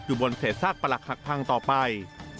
อยู่บนเศษศาสตร์ประหลักหักพังต่อไป